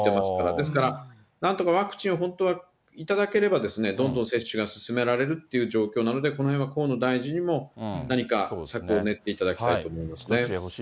ですからなんとかワクチンを本当は頂ければ、どんどん接種が進められるという状況なので、このへんは河野大臣にも何か策を練っていただきたいと思いますね。